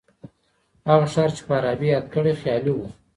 هغه ښار چي فارابي یاد کړی خیالي و.